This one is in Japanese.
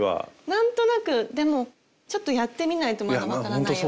何となくでもちょっとやってみないとまだわからないような。